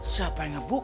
siapa yang ngebuk